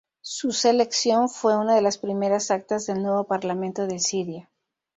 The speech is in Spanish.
Su selección fue una de las primeras actas del nuevo Parlamento de Siria.